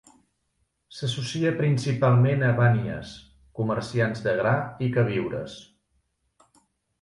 S'associa principalment a Baniyas, comerciants de gra i queviures.